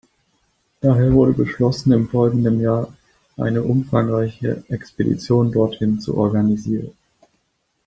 Daher wurde beschlossen, im folgenden Jahr eine umfangreiche Expedition dorthin zu organisieren.